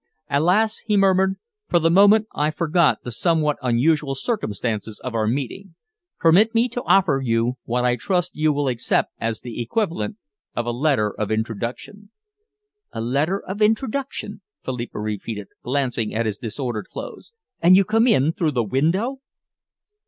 "Alas!" he murmured, "for the moment I forgot the somewhat unusual circumstances of our meeting. Permit me to offer you what I trust you will accept as the equivalent of a letter of introduction." "A letter of introduction," Philippa repeated, glancing at his disordered clothes, "and you come in through the window!"